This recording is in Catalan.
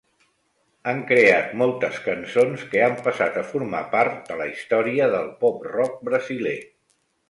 Han creat moltes cançons que han passat a formar part de la història del pop-rock brasiler.